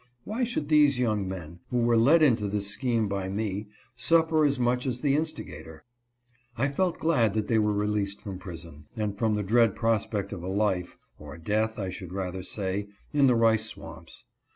Why should these young men, who were led into this scheme by me, suffer as much as the instigator? I felt glad that they were released from prison, and from the dread prospect of a life (or death I should rather say) in the rice swamps.